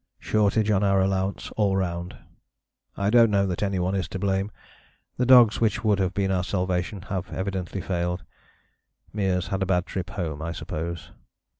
Shortage on our allowance all round. I don't know that any one is to blame. The dogs which would have been our salvation have evidently failed. Meares had a bad trip home I suppose.